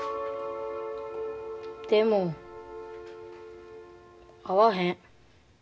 でも会わへん。